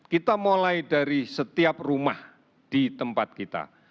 kita mulai dari setiap rumah di tempat kita